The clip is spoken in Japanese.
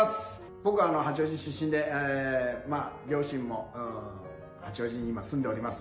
僕は八王子出身で、両親も八王子に今、住んでおります。